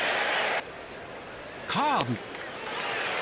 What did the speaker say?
カーブ。